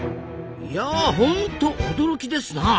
いやホント驚きですなあ！